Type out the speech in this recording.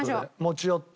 持ち寄って。